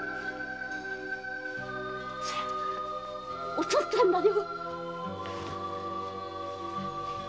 お父っつぁんだよ。